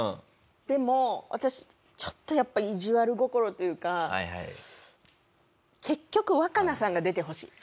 でも私ちょっとやっぱりいじわる心というか結局ワカナさんが出てほしい。